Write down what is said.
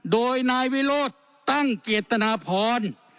โดยนายวิโรธตั้งเกียรตนาพร